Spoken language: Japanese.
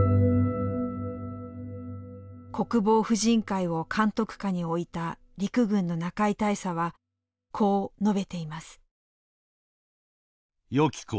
国防婦人会を監督下に置いた陸軍の中井大佐はこう述べています。